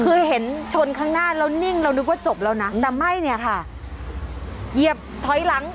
คือเห็นชนข้างหน้าแล้วนิ่งเรานึกว่าจบแล้วนะแต่ไม่เนี่ยค่ะเหยียบถอยหลัง